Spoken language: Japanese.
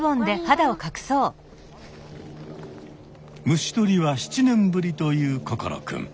虫とりは７年ぶりという心くん。